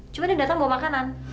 cuma dia datang bawa makanan